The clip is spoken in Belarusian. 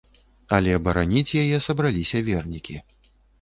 Але бараніць яе сабраліся вернікі.